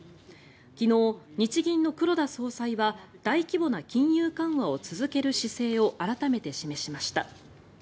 昨日、日銀の黒田総裁は大規模な金融緩和を続ける姿勢を改めて示しました。